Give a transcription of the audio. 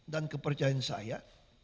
dan kepercayaan saya